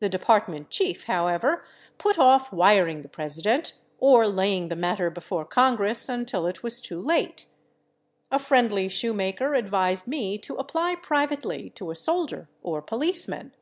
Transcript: The department chief, how ever, put off wiring the president, or laying the matter before congress, until it was too late. A friendly shoemaker advised me to apply pri vately to a soldier or policeman.